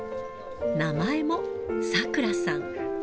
名前も、さくらさん。